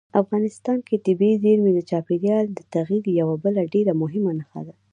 افغانستان کې طبیعي زیرمې د چاپېریال د تغیر یوه بله ډېره مهمه نښه ده.